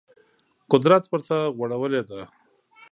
قدرت ورته غوړولې ده